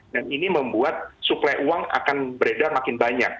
dan ini membuat suplai uang akan beredar makin banyak